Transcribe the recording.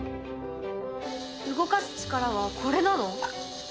動かす力はこれなの？